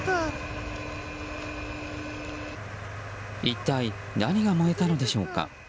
一体何が燃えたのでしょうか。